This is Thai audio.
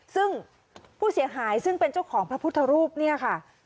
ซึ่งผู้เสียหายซึ่งเป็นเจ้าของพระพุทธรูปเนี่ยค่ะ